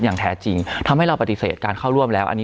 อย่างแท้จริงทำให้เราปฏิเสธการเข้าร่วมแล้วอันนี้